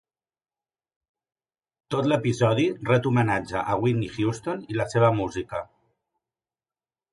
Tot l'episodi ret homenatge a Whitney Houston i la seva música.